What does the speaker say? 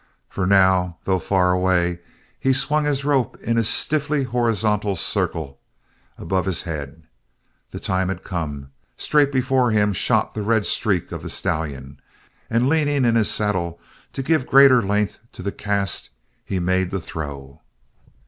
For now, though far away, he swung his rope in a stiffly horizontal circle about his head. The time had come. Straight before him shot the red streak of the stallion; and leaning in his saddle to give greater length to the cast he made the throw.